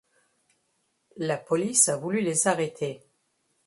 La police a voulu les arrêter.